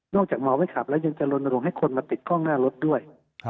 จากเมาไม่ขับแล้วยังจะลนลงให้คนมาติดกล้องหน้ารถด้วย